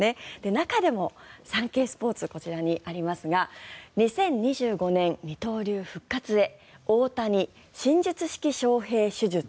中でも、サンケイスポーツこちらにありますが２０２５年二刀流復活へ大谷、新術式ショウヘイ手術。